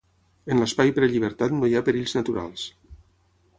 En l'espai prellibertat no hi ha perills naturals.